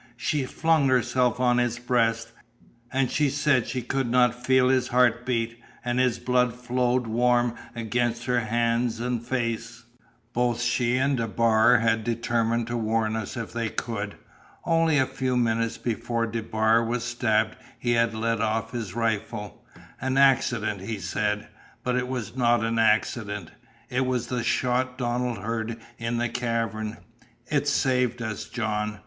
She flung herself on his breast, and she said she could not feel his heart beat, and his blood flowed warm against her hands and face. Both she and DeBar had determined to warn us if they could. Only a few minutes before DeBar was stabbed he had let off his rifle an accident, he said. But it was not an accident. It was the shot Donald heard in the cavern. It saved us, John!